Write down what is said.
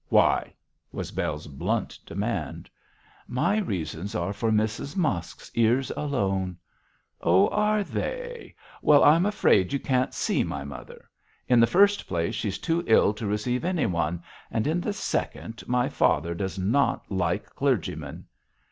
'Why?' was Bell's blunt demand. 'My reasons are for Mrs Mosk's ears alone.' 'Oh, are they? Well, I'm afraid you can't see my mother. In the first place, she's too ill to receive anyone; and in the second, my father does not like clergymen.'